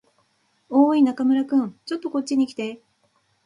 おーい、中村君。ちょっとこっちに来て。